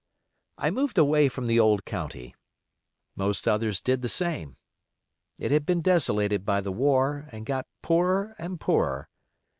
I moved away from the old county. Most others did the same. It had been desolated by the war, and got poorer and poorer.